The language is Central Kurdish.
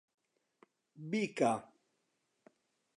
بیکە!